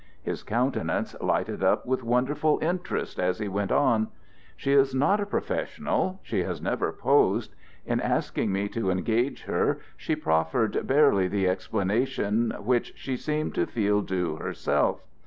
His countenance lighted up with wonderful interest as he went on: "She is not a professional; she has never posed. In asking me to engage her she proffered barely the explanation which she seemed to feel due herself.